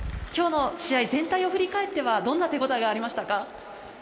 試合全体を振り返っては、どんな手応えがありましたか？